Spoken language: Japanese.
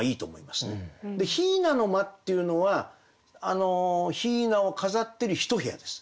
雛の間っていうのは雛を飾ってる一部屋です。